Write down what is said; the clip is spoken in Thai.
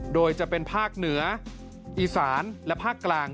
โดยจะเป็นภาคเหนืออีสานและภาคกลาง